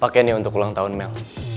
pakai ni untuk hulang tahun mel